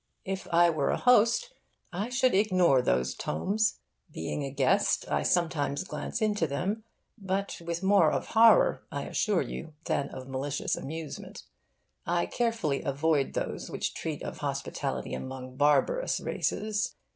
If I were a host, I should ignore those tomes. Being a guest, I sometimes glance into them, but with more of horror, I assure you, than of malicious amusement. I carefully avoid those which treat of hospitality among barbarous races.